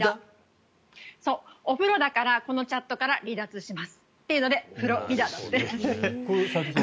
お風呂だからこのチャットから離脱しますっていうので「フロリダ」だそうです。